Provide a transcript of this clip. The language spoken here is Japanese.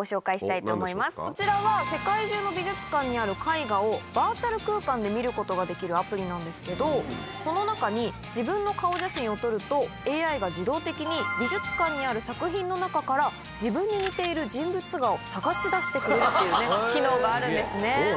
こちらは世界中の美術館にある絵画をバーチャル空間で見ることができるアプリなんですけどその中に自分の顔写真を撮るとＡＩが自動的に美術館にある作品の中から。というね機能があるんですね。